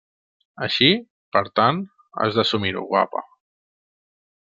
Així; per tant, has d’assumir-ho, guapa.